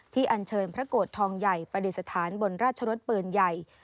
อันเชิญพระโกรธทองใหญ่ประดิษฐานบนราชรสปืนใหญ่